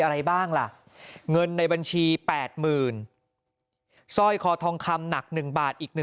อะไรบ้างล่ะเงินในบัญชี๘๐๐๐สร้อยคอทองคำหนัก๑บาทอีก๑